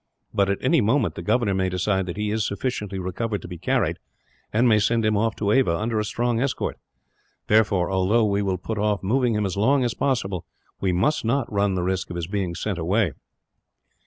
But at any moment the governor may decide that he is sufficiently recovered to be carried, and may send him off to Ava, under a strong escort. Therefore, although we will put off moving him as long as possible, we must not run the risk of his being sent away."